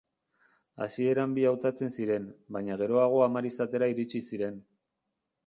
Hasieran bi hautatzen ziren, baina geroago hamar izatera iritsi ziren.